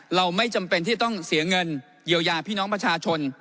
เราไม่จำเป็นที่ต้องเสียเงินเยียวยาพี่น้องประชาชน